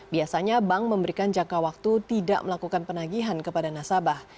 biasanya bank memberikan jangka waktu tidak melakukan penagihan kepada nasabah